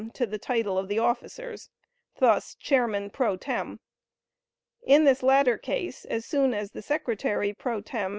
to the title of the officers, thus: "chairman pro tem." In this latter case, as soon as the secretary pro tem.